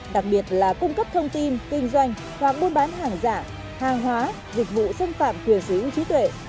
đặc biệt là cung cấp thông tin kinh doanh hoặc buôn bán hàng giả hàng hóa dịch vụ xâm phạm thuyền sử dụng trí tuệ